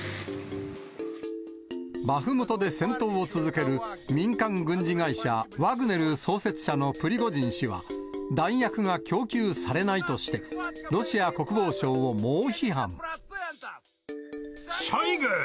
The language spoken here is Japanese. バフムトで戦闘を続ける民間軍事会社ワグネル創設者のプリゴジン氏は、弾薬が供給されないとして、ショイグ！